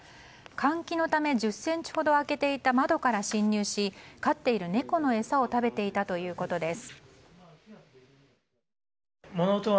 換気のため１０ｃｍほど開けていた窓から侵入し、飼っている猫の餌を食べていたということです。